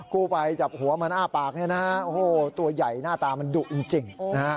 กูไปจับหัวมันอ้าปากเนี่ยนะตัวใหญ่หน้าตามันดุจริง